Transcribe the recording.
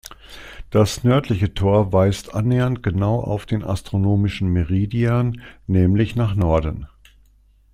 Das nördliche Tor weist annähernd genau auf den astronomischen Meridian, nämlich nach Norden.